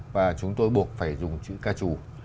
và chúng tôi buộc phải dùng chữ ca trù